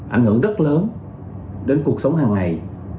ảnh hưởng rất lớn đến cuộc sống hàng ngày